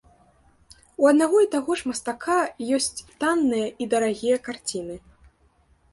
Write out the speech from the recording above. У аднаго і таго ж мастака ёсць танныя і дарагія карціны.